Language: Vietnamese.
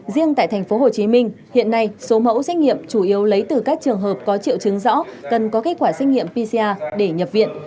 riêng tại thành phố hồ chí minh hiện nay số mẫu xét nghiệm chủ yếu lấy từ các trường hợp có triệu chứng rõ cần có kết quả xét nghiệm pcr để nhập viện